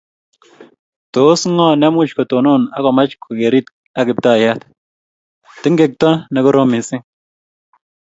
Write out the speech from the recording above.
Tos ngo nemuch kotonon akomach kokerekit ak Kiptayat? Tengengto ne koroom mising.